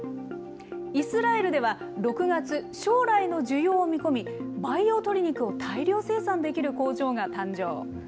イスラエルでは６月、将来の需要を見込み、培養鶏肉を大量生産できる工場が誕生。